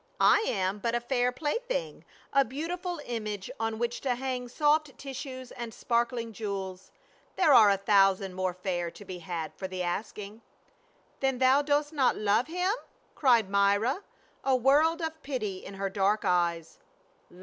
I am but a fair plaything — a beautiful image on which to hang soft tissues and sparkling jewels ; there are a thousand more fair to be had for the asking." "Then thou dost not love him?" cried Myra, a world of pity in her dark eyes.